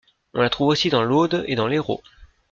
On la trouve aussi dans l'Aude et dans l'Hérault.